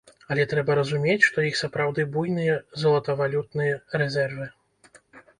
Але трэба разумець, што іх сапраўды буйныя золатавалютныя рэзервы.